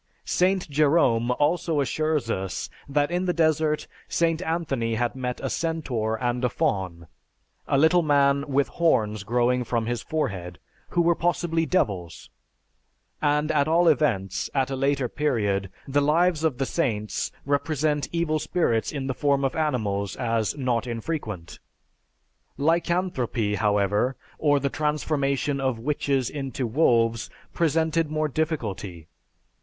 Saint Jerome also assures us that in the desert St. Anthony had met a centaur and a faun, a little man with horns growing from his forehead, who were possibly devils, and at all events, at a later period, the "Lives of the Saints" represent evil spirits in the form of animals as not infrequent. Lycanthropy, however, or the transformation of witches into wolves, presented more difficulty.